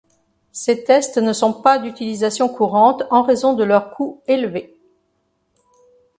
Ces tests ne sont pas d'utilisation courante en raison de leur coût élevé.